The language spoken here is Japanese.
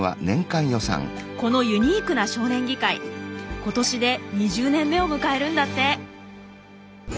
このユニークな少年議会今年で２０年目を迎えるんだって。